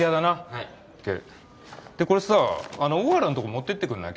はいＯＫでこれさ大原んとこ持ってってくんない？